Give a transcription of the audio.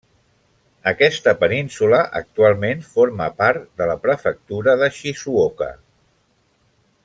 Aquesta península actualment forma part de la prefectura de Shizuoka.